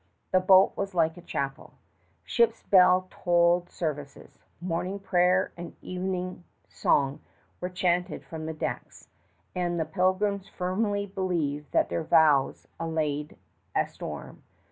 The boat was like a chapel. Ship's bell tolled services. Morning prayer and evensong were chanted from the decks, and the pilgrims firmly believed that their vows allayed a storm.